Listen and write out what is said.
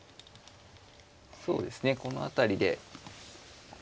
そうですねこの辺りでえ